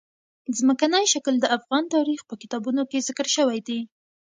ځمکنی شکل د افغان تاریخ په کتابونو کې ذکر شوی دي.